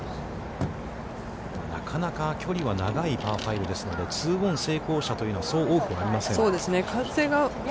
なかなか距離は長いパー５ですので、ツーオン成功者というのは、そう多くありません。